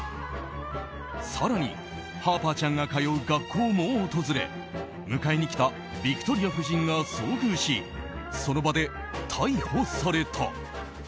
更に、ハーパーちゃんが通う学校も訪れ迎えに来たビクトリア夫人が遭遇しその場で逮捕された。